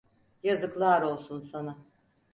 Yazıklar olsun sana!